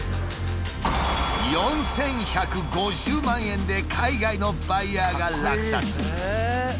４，１５０万円で海外のバイヤーが落札。